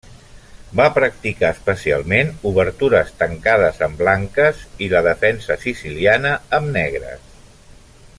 Va practicar especialment Obertures Tancades amb blanques, i la defensa siciliana amb negres.